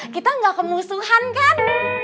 kita gak kemusuhan kan